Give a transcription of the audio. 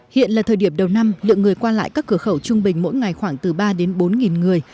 hiện là thời điểm đầu năm lượng người qua lại các cửa khẩu trung bình mỗi ngày khoảng từ ba đến bốn người